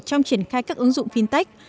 trong triển khai các ứng dụng fintech